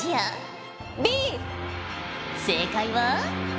正解は。